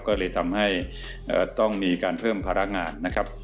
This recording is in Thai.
ก็เลยทำให้ต้องมีการเพิ่มภาระงานนะครับ